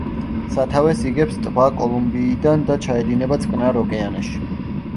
სათავეს იღებს ტბა კოლუმბიიდან და ჩაედინება წყნარი ოკეანეში.